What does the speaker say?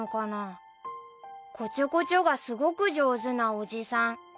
こちょこちょがすごく上手なおじさん